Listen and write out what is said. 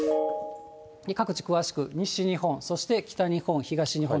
各地詳しく、西日本、そして北日本、東日本。